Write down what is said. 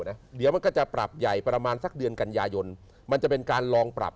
เดี๋ยวมันก็จะปรับใหญ่ประมาณสักเดือนกันยายนมันจะเป็นการลองปรับ